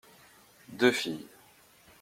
Deux filles.